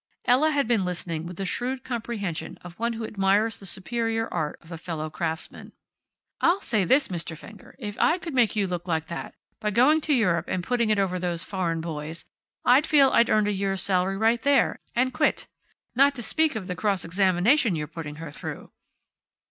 Ella had been listening with the shrewd comprehension of one who admires the superior art of a fellow craftsman. "I'll say this, Mr. Fenger. If I could make you look like that, by going to Europe and putting it over those foreign boys, I'd feel I'd earned a year's salary right there, and quit. Not to speak of the cross examination you're putting her through."